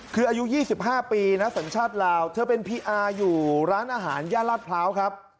คืออายุ๒๕ปีนะสัญชาติลาวเธอเป็นพีอาร์อยู่ร้านอาหารย่านลาดพร้าวครับ